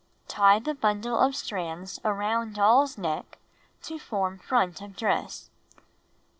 Tie the bundle of strands around doll's neck to form front of dress.